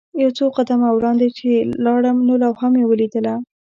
یو څو قدمه وړاندې چې لاړم نو لوحه مې ولیدله.